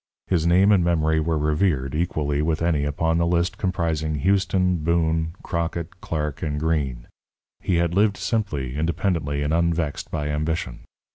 His name and memory were revered, equally with any upon the list comprising Houston, Boone, Crockett, Clark, and Green. He had lived simply, independently, and unvexed by ambition.